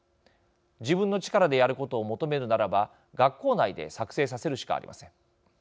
自分の力でやることを求めるならば学校内で作成させるしかありません。